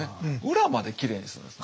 裏まできれいにするんです。